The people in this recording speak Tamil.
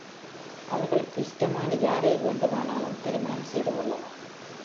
அவர்களுக்கு இஷ்டமான யாரை வேண்டுமானாலும் திருமணம் செய்துகொள்ளலாம்.